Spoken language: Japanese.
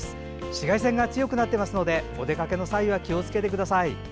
紫外線が強くなっていますのでお出かけの際は気をつけてください。